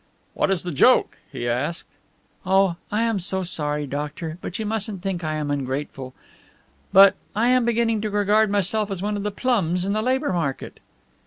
"What is the joke?" he asked. "Oh, I am so sorry, doctor, but you mustn't think I am ungrateful, but I am beginning to regard myself as one of the plums in the labour market."